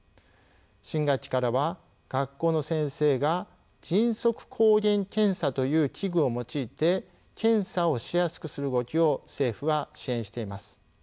新学期からは学校の先生が迅速抗原検査という器具を用いて検査をしやすくする動きを政府は支援しています。